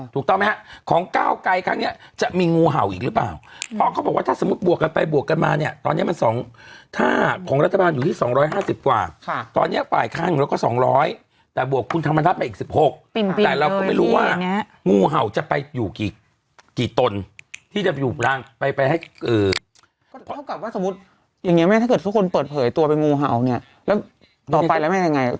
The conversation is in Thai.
แล้วต่อไปแล้วแม่ยังไงแต่เขาก็ยังอยู่เหมือนเดิม